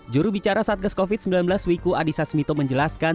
juru bicara satgas covid sembilan belas wiku adhisa smito menjelaskan